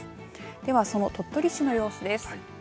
では、その鳥取市の様子です。